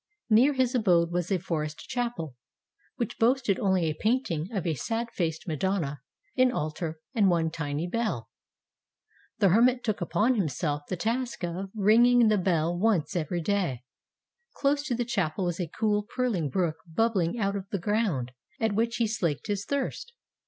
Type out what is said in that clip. Near his abode was a forest chapel, which boasted only a painting of a sad faced Madonna, an altar, and one tiny bell. The hermit took upon himself the task of ringing the bell once every day. Close to the chapel was a cool, purling brook bub bling out of the ground, at which he slaked his thirst.